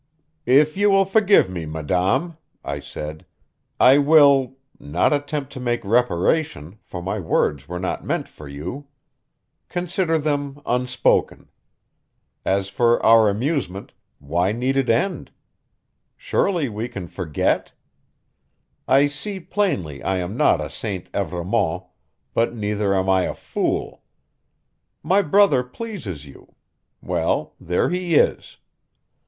"If you will forgive me, madame," I said, "I will not attempt to make reparation, for my words were not meant for you. Consider them unspoken. As for our amusement, why need it end? Surely, we can forget? I see plainly I am not a St. Evremond, but neither am I a fool. My brother pleases you well, there he is.